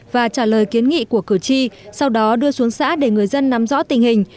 và trả lời kiến nghị của cử tri sau đó đưa xuống xã để người dân nắm rõ tình hình